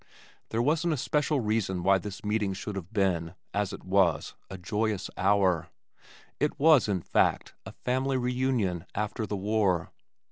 There was an especial reason why this meeting should have been, as it was, a joyous hour. It was, in fact, a family reunion after the war.